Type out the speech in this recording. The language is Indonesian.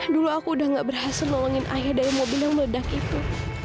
dulu aku udah gak berhasil ngomongin ayah dari mobil yang meledak itu